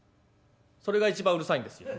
それが一番うるさいんですよ。